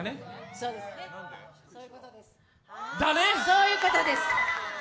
そういうことです！